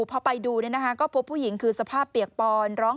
พอไปดูเนี่ยนะคะก็พบผู้หญิงคือสภาพเปียกปอน